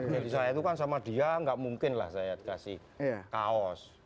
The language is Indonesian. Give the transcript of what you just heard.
jadi saya tuh kan sama dia nggak mungkin lah saya kasih kaos